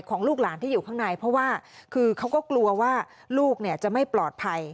ลูกหลานที่อยู่ข้างในเพราะว่าคือเขาก็กลัวว่าลูกจะไม่ปลอดภัย